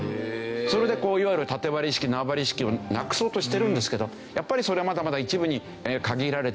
それでこういわゆるタテ割り意識縄張り意識をなくそうとしてるんですけどやっぱりそれはまだまだ一部に限られていて。